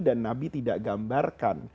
dan nabi tidak gambarkan